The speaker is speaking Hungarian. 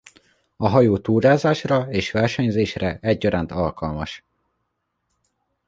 A hajó túrázásra és versenyzésre egyaránt alkalmas.